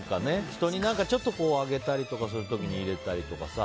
人にあげたりとかする時に入れたりとかさ。